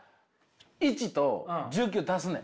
１と１９足すねん！